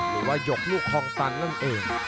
หรือว่าหยกลูกคองตันนั่นเอง